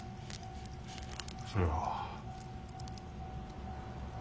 そそれは。